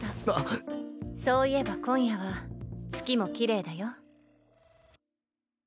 そういえば今夜は月もきれいだよ。